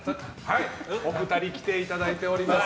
お二人、来ていただいております。